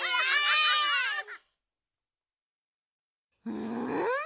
うん？